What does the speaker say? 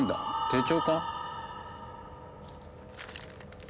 手帳か？